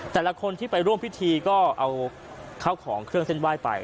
แต่ละคนที่ไปร่วมพิธีก็เอาข้าวของเครื่องเส้นไหว้ไป